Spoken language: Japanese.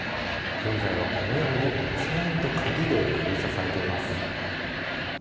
現在はこのようにチェーンと鍵で封鎖されています。